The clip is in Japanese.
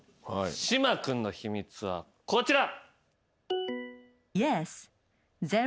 島君の秘密はこちら。